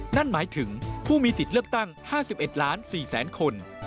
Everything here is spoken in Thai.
นั่นหมายถึงผู้มีสิทธิ์เลือกตั้ง๕๑ล้าน๔แสนคน